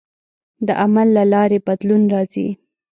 د عمل له لارې بدلون راځي.